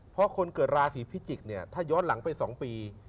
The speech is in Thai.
เพราะคนเกิดราศีพิจิกษ์เนี่ยถ้าย้อนหลังไป๒ปี